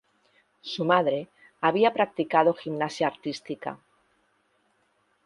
Su madre había practicado gimnasia artística.